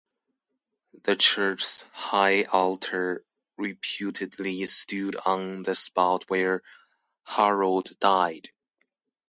The church's high altar reputedly stood on the spot where Harold died.